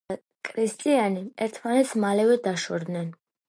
ხიმენა და კრისტიანი ერთმანეთს მალევე დაშორდნენ.